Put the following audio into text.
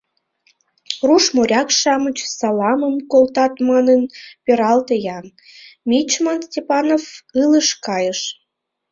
— Руш моряк-шамыч саламым колтат манын пералте-ян, — мичман Степанов ылыж кайыш.